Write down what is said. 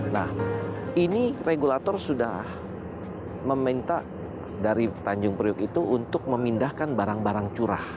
nah ini regulator sudah meminta dari tanjung priuk itu untuk memindahkan barang barang curah